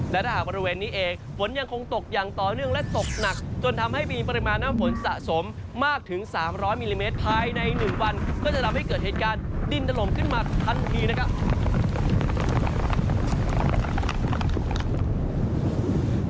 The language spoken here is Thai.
และถ้าหากบริเวณนี้เองฝนยังคงตกอย่างต่อเนื่องและตกหนักจนทำให้มีปริมาณน้ำฝนสะสมมากถึง๓๐๐มิลลิเมตรภายใน๑วันก็จะทำให้เกิดเหตุการณ์ดินถล่มขึ้นมาทันทีนะครับ